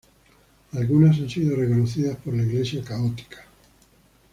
Algunas han sido reconocidas por la Iglesia católica.